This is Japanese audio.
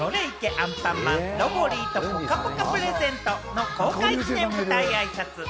アンパンマンロボリィとぽかぽかプレゼント』の公開記念舞台挨拶。